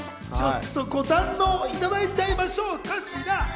ご堪能いただいちゃいましょうか。